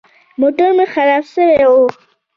موټر مې خراب سوى و.